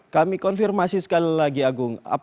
kami konfirmasi sekali lagi agung